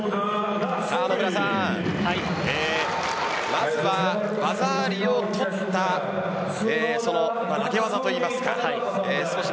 まずは技ありを取った投げ技と言いますか。